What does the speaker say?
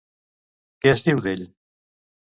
Què es diu d'ell?